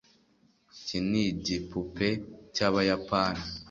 iki nigipupe cyabayapani